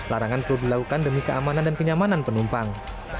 larangan perlu dilakukan demi keamanan dan kenyamanan penumpang